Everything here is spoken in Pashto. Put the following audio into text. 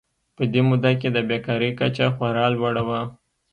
په دې موده کې د بېکارۍ کچه خورا لوړه وه.